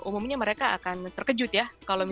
umumnya mereka akan terkejut ya